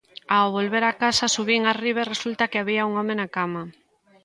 Ao volver á casa subín arriba e resulta que había un home na cama.